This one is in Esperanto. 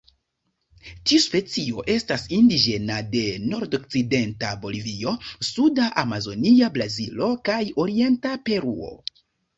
Tiu specio estas indiĝena de nordokcidenta Bolivio, suda Amazonia Brazilo kaj orienta Peruo.